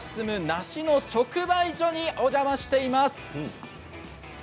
出荷の準備が進む梨の直売所にお邪魔しています。